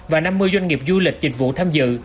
và năm mươi doanh nghiệp du lịch dịch vụ tham dự